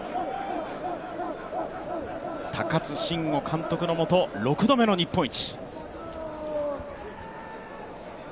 高津臣吾監督のもと６度目の日本一。